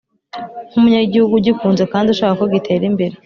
nk’umunyagihugu ugikunze kandi ushaka ko gitera imbere.